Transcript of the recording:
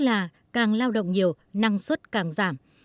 mà càng lao động nhiều năng suất càng giảm